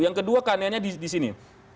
yang kedua keanehannya di sini